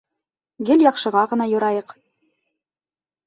Гел яҡшыға ғына юрайыҡ!